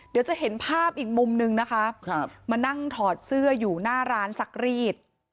เดี๋ยวจะเห็นภาพอีกมุมนึงนะคะมานั่งถอดเสื้ออยู่หน้าร้านซักรีด